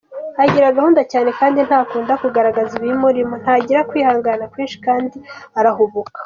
Agira gahunda cyane kandi ntakunda kugaragaza ibimurimo, ntagira kwihangana kwinshi kandi arahubuka.